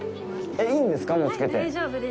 いいんですか、もうつけて。